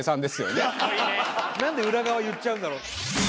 なんで裏側言っちゃうんだろう。